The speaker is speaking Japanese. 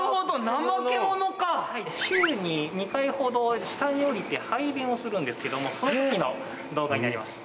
ナマケモノか週に２回ほど下におりて排便をするんですけどもその時の動画になります